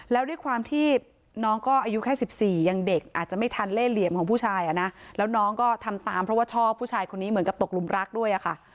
แล้วด้วยความที่น้องก็อายุแค่๑๔ยังเด็กอาจจะไม่ทันเล่เหลี่ยมของผู้ชายอ่ะนะแล้วน้องก็ทำตามเพราะว่าชอบผู้ชายคนนี้เหมือนกับตกลุมรักด้วยอะค่ะ